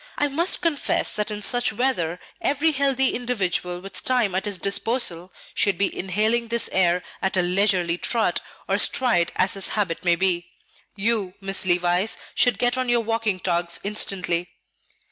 I must confess that in such weather every healthy individual with time at his disposal should be inhaling this air at a leisurely trot or stride as his habit may be. You, Miss Levice, should get on your walking togs instantly."